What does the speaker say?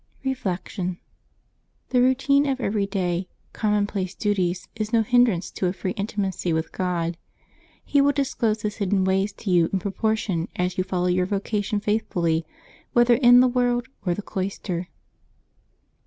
Reflection. — The routine of every day, commonplace duties is no hindrance to a free intimacy with God. He will disclose His hidden ways to you in proportion as you follow your vocation faithfully, whether in the world or the cloister.